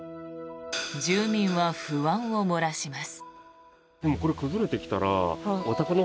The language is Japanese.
住民は不安を漏らします。